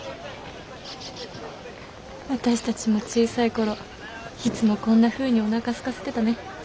私たちも小さい頃いつもこんなふうにおなかすかせてたね。